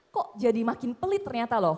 kok jadi makin pelit ternyata loh